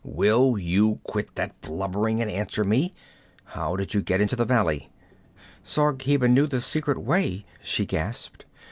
'Will you quit that blubbering and answer me? How did you get into the valley?' 'Zargheba knew the secret way,' she gasped.